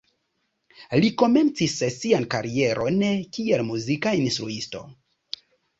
Li komencis sian karieron kiel muzika instruisto.